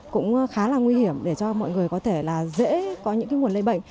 cũng khá là nguy hiểm để cho mọi người có thể là dễ có những nguồn lây bệnh